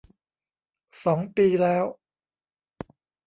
สองปีแล้ว